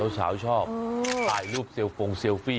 สาวชอบถ่ายรูปเซลโฟนเอร์เฟค